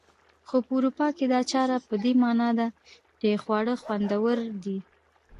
خو په اروپا کې دا چاره په دې مانا ده چې خواړه خوندور دي.